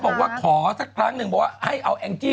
เขาบอกว่าขอสักครั้งนึงให้เอาแองจี้